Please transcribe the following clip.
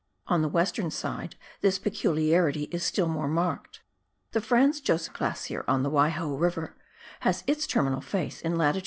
On the western side this peculiarity is still more marked. The Franz Josef Glacier, on the Waiho River, has its terminal face in lat.